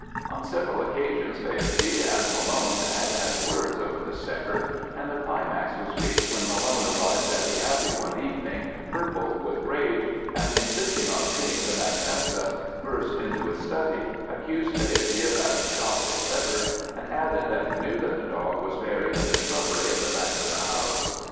On several occasions Faherty and Malone had had words over the setter, and the climax was reached when Malone arrived at the Abbey one evening, purple with rage, and insisting on seeing the mac Nessa, burst into his study, accused Faherty of having shot his setter, and added that he knew that the dog was buried in a shrubbery at the back of the house.